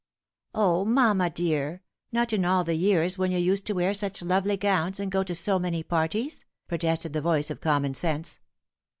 " O, mamma dear, not in all the years when you used to wear such lovely gowns, and go to so many parties ?" protested the voice of common sense.